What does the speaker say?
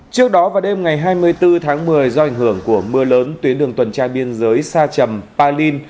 trước đó vào đêm ngày hai mươi bốn tháng một mươi do ảnh hưởng của mưa lớn tuyến đường tuần tra biên giới sa chầm palin